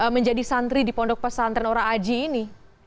menjadi santri di pondok pesantren ora aji ini